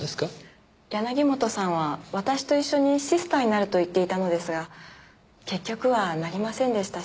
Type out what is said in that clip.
柳本さんは私と一緒にシスターになると言っていたのですが結局はなりませんでしたし。